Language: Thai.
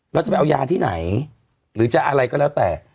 เราจะไปเอายาที่ไหนหรือจะอะไรก็แล้วแต่